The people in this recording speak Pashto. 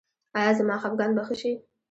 ایا زما خپګان به ښه شي؟